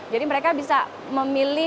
jadi mereka bisa memilih